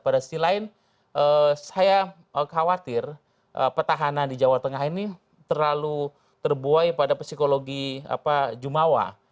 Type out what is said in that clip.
pada sisi lain saya khawatir petahanan di jawa tengah ini terlalu terbuai pada psikologi jumawa